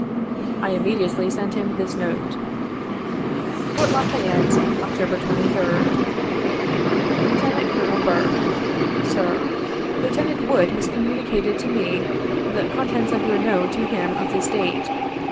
I immediately sent him this note : "Fort La Fayette, October 23c?. " Lieutenant Colonel BURKE, "Sib: " Lieutenant Wood, has communicated to me the contents of your note to him of this date.